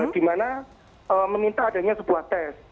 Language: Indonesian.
di mana meminta adanya sebuah tes